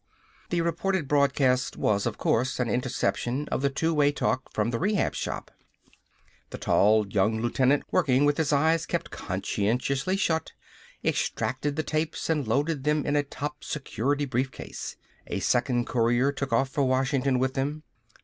The reported broadcast was, of course, an interception of the two way talk from the Rehab Shop. The tall young lieutenant, working with his eyes kept conscientiously shut, extracted the tapes and loaded them in a top security briefcase. A second courier took off for Washington with them.